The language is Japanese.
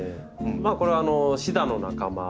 これはシダの仲間。